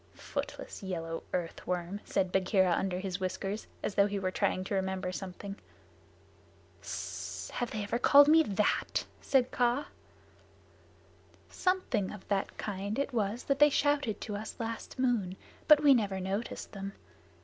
"Footless, yellow earth worm," said Bagheera under his whiskers, as though he were trying to remember something. "Sssss! Have they ever called me that?" said Kaa. "Something of that kind it was that they shouted to us last moon, but we never noticed them.